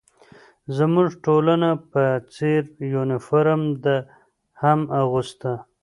زموږ ټولو په څېر یونیفورم ده هم اغوسته.